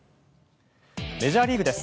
メジャーリーグです。